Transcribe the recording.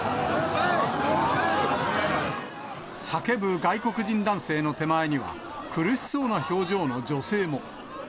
叫ぶ外国人男性の手前には、苦しそうな表情の女性も。